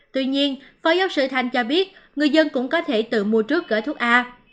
tuy nhiên phó giáo sư thanh cho biết người dân cũng có thể tự mua trước gói thuốc a